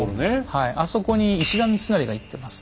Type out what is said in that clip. はいあそこに石田三成が行ってます。